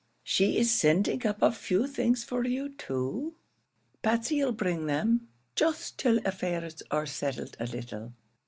She is sending up a few things for you too. Patsey 'll bring them, just till affairs are settled a little.